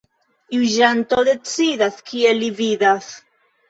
Juĝanto decidas, kiel li vidas.